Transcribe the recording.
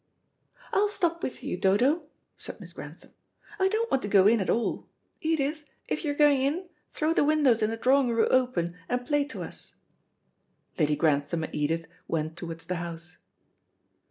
"I'll stop with you, Dodo," said Miss Grantham. "I don't want to go in at all. Edith, if you're going in, throw the windows in the drawing room open, and play to us." Lady Grantham and Edith went towards the house.